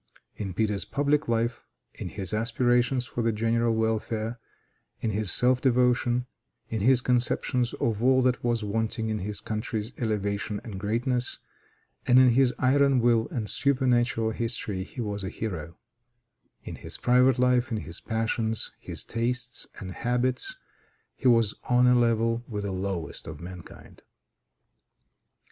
In Peter's public life, in his aspirations for the general welfare, in his self devotion, in his conceptions of all that was wanting to his country's elevation and greatness, and in his iron will and supernatural energy, he was a hero; in his private life, in his passions, his tastes and habits, he was on a level with the lowest of mankind.